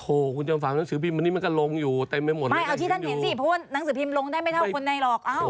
โถคุณจอมฝานนังสือพิมพ์วันนี้มันก็ลงอยู่เต็มไม่หมดเลย